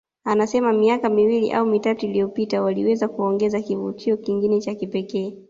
Anasema miaka miwili au mitatu iliyopita waliweza kuongeza kivutio kingine cha kipekee